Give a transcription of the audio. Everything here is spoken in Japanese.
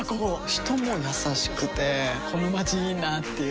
人も優しくてこのまちいいなぁっていう